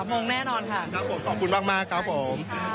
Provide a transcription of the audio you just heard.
มงแน่นอนค่ะนะคะผมขอบคุณมากครับผมค่ะสุดยอด